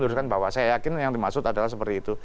saya yakin yang dimaksud adalah seperti itu